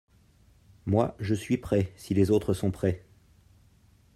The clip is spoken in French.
Moi, je suis prêt, si les autres sont prêts.